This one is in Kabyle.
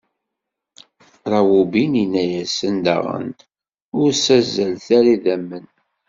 Rawubin inna-asen daɣen: Ur ssazzalet ara idammen!